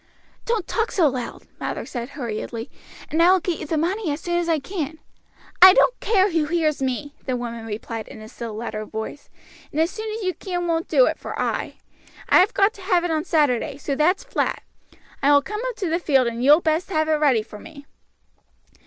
"Don't talk so loud," Mather said hurriedly, "and I will get you the money as seen as I can." "I don't care who hears me," the woman replied in a still louder voice, "and as soon as you can won't do for I. I have got to have it on Saturday, so that's flat. I will come up to the field, and you'll best have it ready for me."